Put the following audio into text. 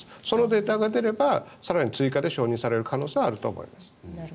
そのデータが出れば更に追加で承認される可能性はあると思います。